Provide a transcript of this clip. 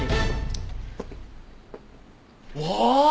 わあ！